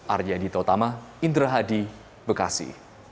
arya dita utama indra hadi bekasi